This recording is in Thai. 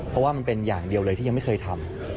เพราะว่ามันเป็นอย่างเดียวเลยที่ยังไม่เคยทำ